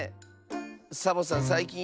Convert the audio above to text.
サボさんさいきん